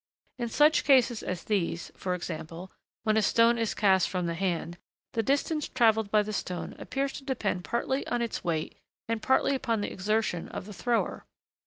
In such cases as these, for example, when a stone is cast from the hand, the distance travelled by the stone appears to depend partly on its weight and partly upon the exertion of the thrower.